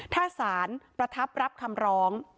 ถ้าสารประทับรับคำร้อง